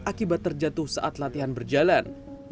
akibat terjatuh saat latihan berjalan